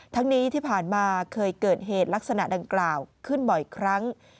ทั้งนี้ที่ผ่านมาเคยเกิดเหตุลักษณะดังกล่าวขึ้นบ่อยครั้ง